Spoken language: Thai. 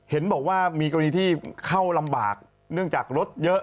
เห็นบอกว่ามีกรณีที่เข้าลำบากเนื่องจากรถเยอะ